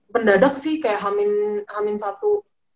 mendadak sih kayak hamin satu